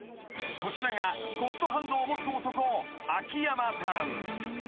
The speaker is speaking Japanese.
［こちらがゴッドハンドを持つ男秋山さん］